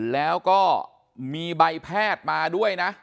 แล้วก็มีใบแพทย์มาด้วยนะ